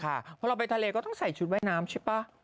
เพราะเราไปทะเลก็ต้องใส่ชุดว่ายน้ำใช่ป่ะ